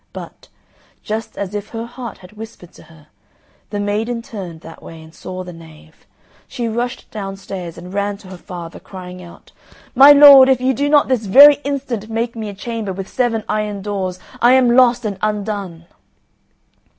But just as if her heart had whispered to her the maiden turned that way and saw the knave. She rushed downstairs and ran to her father, crying out, "My lord, if you do not this very instant make me a chamber with seven iron doors I am lost and undone!"